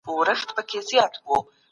دا حق یوازي د مسلمانانو لپاره ځانګړی نه دی.